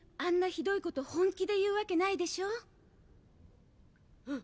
ひどいこと本気で言うわけないでしょ。